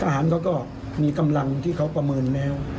หารเขาก็มีกำลังที่เขาประเมินแล้ว